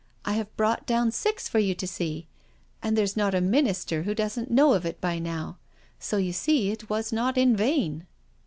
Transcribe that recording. I have brought down six for you to see. And there's not a Minister who doesn't know of it by now — so you see it was not in vain."